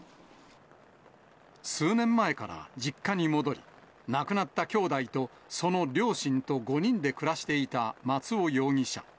数年前から実家に戻り、亡くなった兄弟とその両親と５人で暮らしていた松尾容疑者。